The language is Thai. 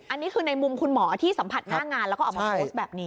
อันนี้คือในมุมคุณหมอที่สัมผัสหน้างานแล้วก็ออกมาโพสต์แบบนี้